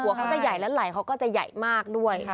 เขาจะใหญ่และไหล่เขาก็จะใหญ่มากด้วย